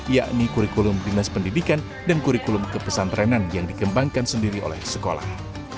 yakni kurikulum dinas pendidikan dan kurikulum ke pesantrenan yang dikembangkan sendiri oleh sekolah